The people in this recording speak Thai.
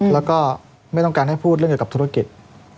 แล้วก็ไม่ต้องการให้พูดเรื่องเกี่ยวกับธุรกิจ